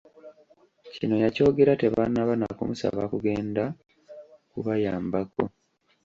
Kino ya kyogera tebannaba na kumusaba kugenda ku bayambako.